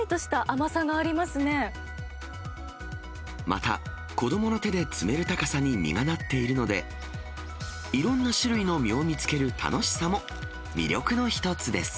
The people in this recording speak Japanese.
また、子どもの手で摘める高さに実がなっているので、いろんな種類の実を見つける楽しさも魅力の一つです。